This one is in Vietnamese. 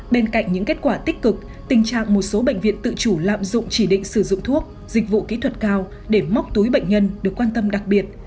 bên cạnh những kết quả tích cực tình trạng một số bệnh viện tự chủ lạm dụng chỉ định sử dụng thuốc dịch vụ kỹ thuật cao để móc túi bệnh nhân được quan tâm đặc biệt